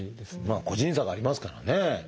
個人差がありますからね。